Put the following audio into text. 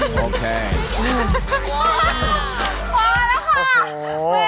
มาแล้วค่ะ